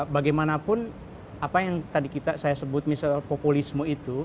bagaimanapun apa yang tadi saya sebut misal populisme itu